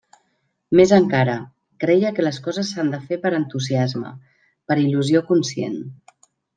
Més encara, creia que les coses s'han de fer per entusiasme, per il·lusió conscient.